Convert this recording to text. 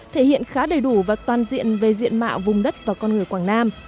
thể hiện khá đầy đủ và toàn diện về diện mạo vùng đất và con người quảng nam